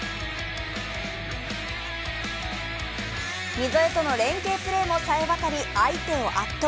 溝江との連係プレーもさえ渡り相手を圧倒。